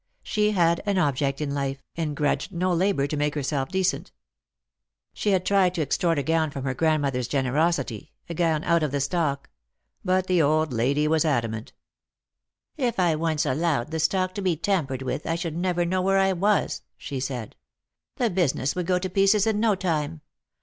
She had an object in life, and grudged no labour to make herself decent. She nad tried to extort a gown from her grandmother's generosity, a gown out of the stock ; but the old lady was adamant. jsosi jor juove. 75 " If I once allowed the stock to be tampered with, I should never know where I was," she said. " The business would go to pieces in no time.